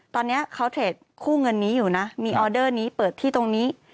ตอนนี้เขาเทรดคู่เงินนี้อยู่นะมีออเดอร์นี้เปิดที่ตรงนี้